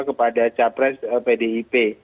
kepada capres pdip